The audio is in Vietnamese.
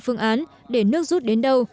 phương án để nước rút đến đâu